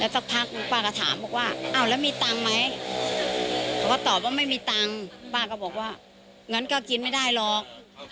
พอภังแล้วเจ้าก็เดินไปเขาบอกมาหาเด็ก